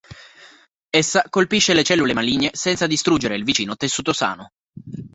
Essa colpisce le cellule maligne senza distruggere il vicino tessuto sano.